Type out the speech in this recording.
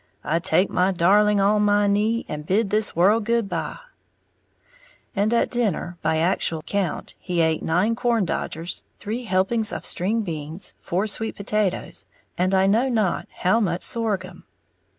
I'd take my darling on my knee And bid this world goodbye! and at dinner, by actual count, he ate nine corn dodgers, three helpings of string beans, four sweet potatoes and I know not how much sorghum.